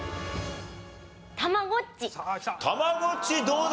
たまごっちどうだ？